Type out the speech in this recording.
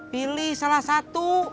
pilih salah satu